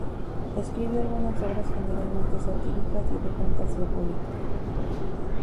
Escribió algunas obras, generalmente satíricas y de fantasía política.